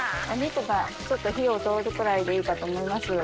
お肉が火を通るくらいでいいかと思います。